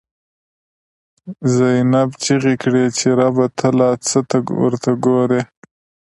«زینب» چیغی کړی چه ربه، ته لا څه ته ورته گوری